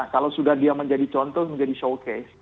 kalau sudah dia menjadi contoh menjadi showcase